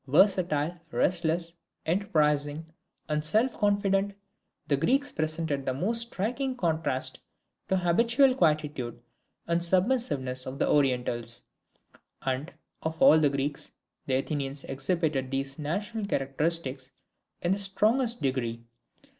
Versatile, restless, enterprising and self confident, the Greeks presented the most striking contrast to the habitual quietude and submissiveness of the Orientals. And, of all the Greeks, the Athenians exhibited these national characteristics in the strongest degree.